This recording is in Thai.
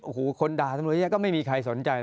โอ้โหคนด่าตำรวจเยอะก็ไม่มีใครสนใจ